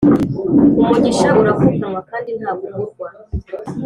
umugisha uravukanwa kandi ntago ugurwa